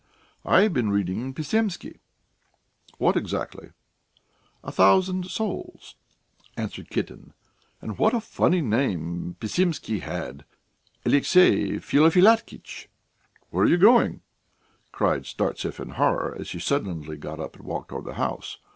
"I have been reading Pisemsky." "What exactly?" "'A Thousand Souls,'" answered Kitten. "And what a funny name Pisemsky had Alexey Feofilaktitch!" "Where are you going?" cried Startsev in horror, as she suddenly got up and walked towards the house.